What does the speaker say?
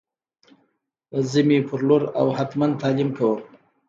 زه می پر لور او هتمن تعلیم کوم